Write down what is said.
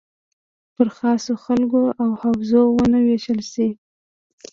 پر خاصو خلکو او حوزو ونه ویشل شي.